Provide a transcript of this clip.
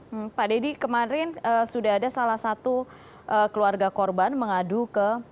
hmm pak deddy kemarin sudah ada salah satu keluarga korban mengadu ke